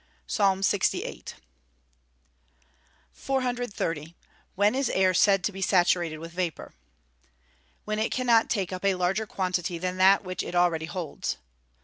PSALM LXVIII.] 430. When is air said to be saturated with vapour? When it cannot take up a larger quantity than that which it already holds.